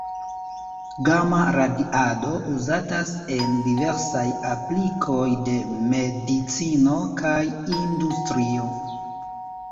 Gama-radiado uzatas en diversaj aplikoj de medicino kaj industrio.